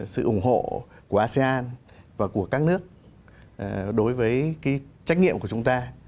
sự ủng hộ của asean và của các nước đối với trách nhiệm của chúng ta